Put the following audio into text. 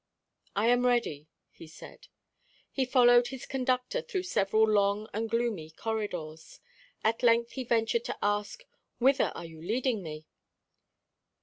"I am ready," he said. He followed his conductor through several long and gloomy corridors. At length he ventured to ask, "Whither are you leading me?"